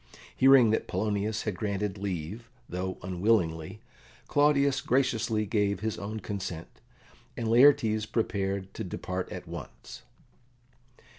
Hearing that Polonius had granted leave, though unwillingly, Claudius graciously gave his own consent, and Laertes prepared to depart at once.